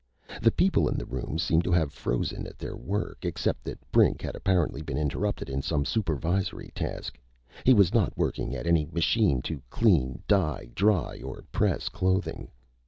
The people in the room seemed to have frozen at their work, except that Brink had apparently been interrupted in some supervisory task. He was not working at any machine to clean, dye, dry, or press clothing.